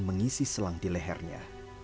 mengisi selang di lehernya